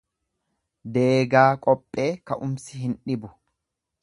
Deegaa qophee ka'umsi hin dhibu.